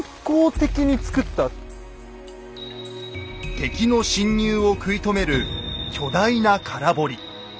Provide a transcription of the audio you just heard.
敵の侵入を食い止める巨大な空堀。